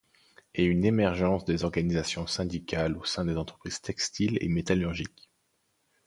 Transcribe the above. Et une émergence des organisations syndicales au sein des entreprises textiles et métallurgiques.